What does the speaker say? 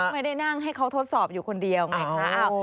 ไม่ได้นั่งให้เขาทดสอบอยู่คนเดียวไงคะ